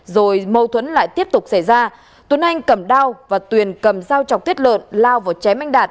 rồi mâu thuẫn lại tiếp tục xảy ra tuấn anh cầm đao và tuyền cầm dao chọc tiết lợn lao vào chém anh đạt